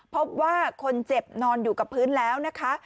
พบว่าคนเจ็บนอนอยู่กับพื้นแล้วนะคะ